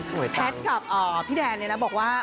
สวยตังค์แพทย์กับพี่แดนเนี่ยนะบอกว่า